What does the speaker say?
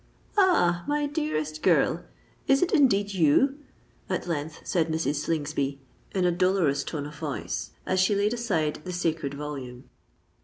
"Ah! my dearest girl—is it indeed you?" at length said Mrs. Slingsby in a dolorous tone of voice, as she laid aside the sacred volume.